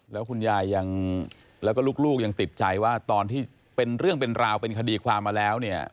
แล้วคุณยายยังแล้วก็ลูกยังติดใจว่าตอนที่เป็นเรื่องเป็นราวเป็นคดีความมาแล้วเนี่ย